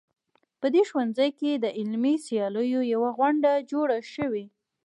په دې ښوونځي کې د علمي سیالیو یوه غونډه جوړه شوې